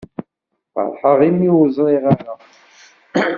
Feṛḥeɣ imi ur ẓṛiɣ ara.